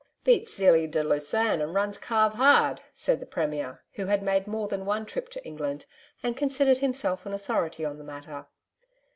'Beats Zelie de Lussan and runs Calve hard,' said the Premier who had made more than one trip to England and considered himself an authority in the matter.